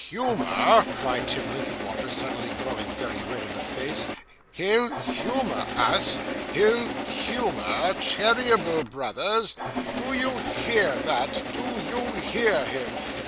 'Humour!' cried Tim Linkinwater, suddenly growing very red in the face. 'He'll humour us! He'll humour Cheeryble Brothers! Do you hear that? Do you hear him?